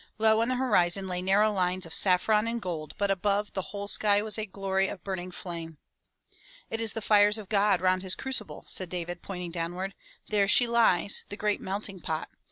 Low on the horizon lay narrow lines of saffron and gold, but above, the whole sky was a glory of burning flame. " It is the fires of God round his crucible," said David pointing downward. "There she lies, the great melting pot.